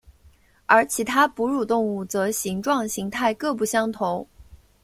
而其他哺乳动物则形状形态各不相同。